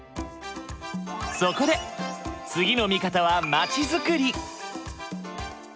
そこで次の見方は町づくり。